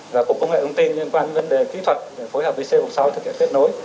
và cuộc công nghệ ứng tin liên quan vấn đề kỹ thuật để phối hợp với sông yêu sáu thực hiện kết nối